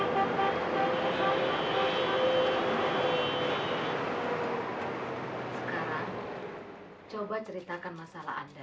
sekarang coba ceritakan masalah anda